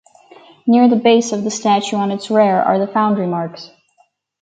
Near the base of the statue on its rear are the foundry marks.